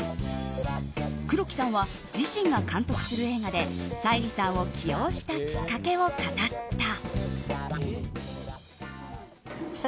黒木さんは自身が監督する映画で沙莉さんを起用したきっかけを語った。